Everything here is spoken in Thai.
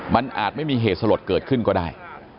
มันอาจไม่มีเหตุสลดเกิดขึ้นก็ได้